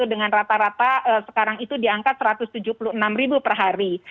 dengan rata rata sekarang itu diangkat satu ratus tujuh puluh enam ribu per hari